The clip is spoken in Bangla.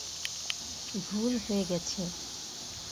ভুল হয়ে গেছে।